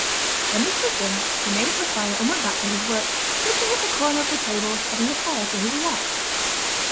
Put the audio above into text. When this was done he made up the fire, and went back to his work, sitting at the corner of the table, having the fire to his left.